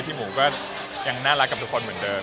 หมูก็ยังน่ารักกับทุกคนเหมือนเดิม